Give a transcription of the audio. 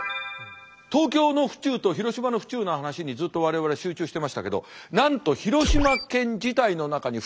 東京の府中と広島の府中の話にずっと我々集中してましたけどなんと広島県自体の中に府中が２つあるんです。